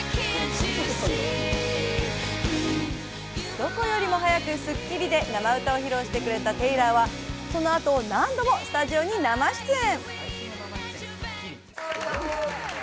どこよりも早く『スッキリ』で生歌を披露してくれたテイラーは、その後、何度もスタジオに生出演。